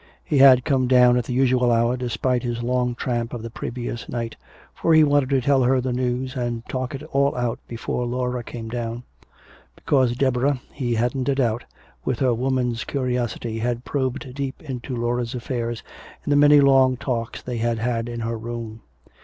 He had come down at the usual hour despite his long tramp of the previous night, for he wanted to tell her the news and talk it all out before Laura came down because Deborah, he hadn't a doubt, with her woman's curiosity had probed deep into Laura's affairs in the many long talks they had had in her room.